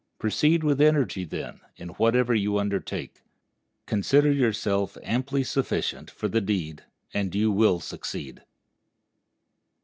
Proceed with energy, then, in whatever you undertake. Consider yourself amply sufficient for the deed, and you will succeed.